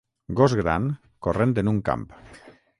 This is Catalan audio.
Gos gran corrent en un camp.